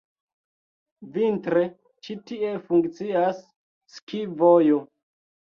Vintre ĉi tie funkcias ski-vojo.